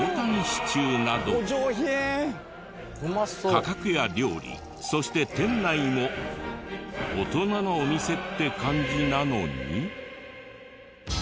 価格や料理そして店内も大人のお店って感じなのに。